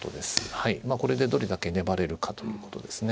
はいこれでどれだけ粘れるかということですね。